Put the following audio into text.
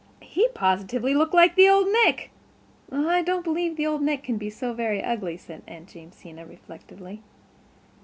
"He positively looked like the Old Nick." "I don't believe Old Nick can be so very, ugly" said Aunt Jamesina reflectively.